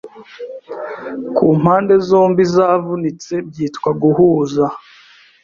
kumpande zombi zavunitse byitwa guhuza